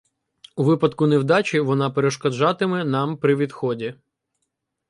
У випадку невдачі вона перешкоджатиме нам при відході.